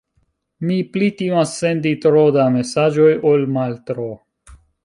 Mi pli timas sendi tro da mesaĝoj ol maltro.